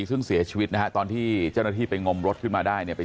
ซึ่งเสียชีวิตนะฮะตอนที่เจ้าหน้าที่ไปงมรถขึ้นมาได้เนี่ย